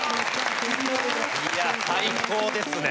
いや最高ですね。